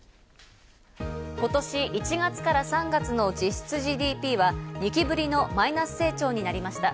今年１月から３月の実質ＧＤＰは２期ぶりのマイナス成長になりました。